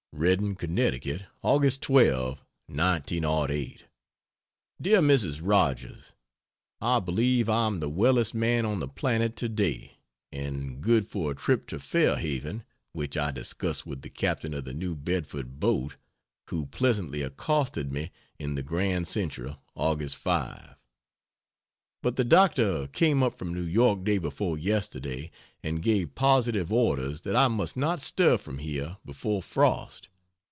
REDDING, CONN, Aug. 12, 1908. DEAR MRS. ROGERS, I believe I am the wellest man on the planet to day, and good for a trip to Fair Haven (which I discussed with the Captain of the New Bedford boat, who pleasantly accosted me in the Grand Central August 5) but the doctor came up from New York day before yesterday, and gave positive orders that I must not stir from here before frost.